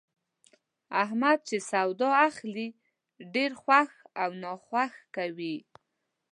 احمد چې سودا اخلي، ډېر خوښ ناخوښ کوي.